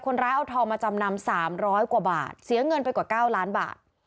คนร้ายเอาทองมาจำนำ๓๐๐กว่าบาทเสียเงินไปกว่า๙ล้านบาท